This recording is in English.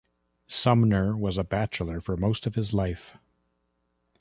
Sumner was a bachelor for most of his life.